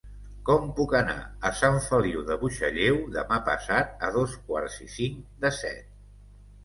Com puc anar a Sant Feliu de Buixalleu demà passat a dos quarts i cinc de set?